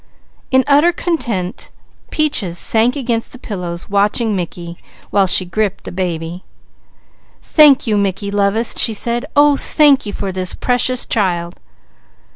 In utter content Peaches sank against the pillows, watching Mickey, while she gripped the baby. "Thank you, Mickey lovest," she said. "Oh thank you for this Precious Child!"